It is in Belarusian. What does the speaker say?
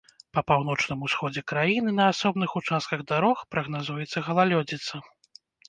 Па паўночным усходзе краіны на асобных участках дарог прагназуецца галалёдзіца.